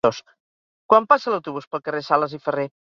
Quan passa l'autobús pel carrer Sales i Ferré?